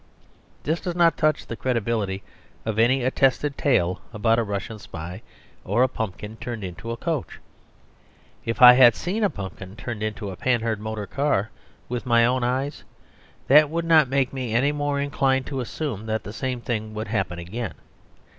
This does not touch the credibility of any attested tale about a Russian spy or a pumpkin turned into a coach. If I had seen a pumpkin turned into a Panhard motor car with my own eyes that would not make me any more inclined to assume that the same thing would happen again.